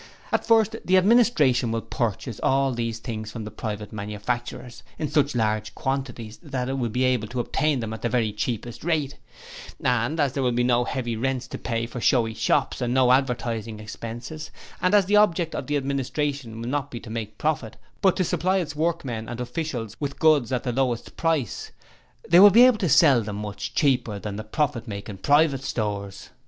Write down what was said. At first the Administration will purchase these things from the private manufacturers, in such large quantities that it will be able to obtain them at the very cheapest rate, and as there will be no heavy rents to pay for showy shops, and no advertising expenses, and as the object of the Administration will be not to make profit, but to supply its workmen and officials with goods at the lowest price, they will be able to sell them much cheaper than the profit making private stores.